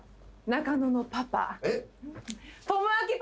中野のパパ？